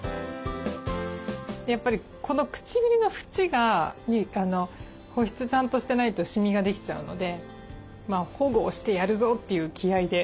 やっぱりこの唇の縁が保湿ちゃんとしてないとシミができちゃうので保護をしてやるぞという気合いで。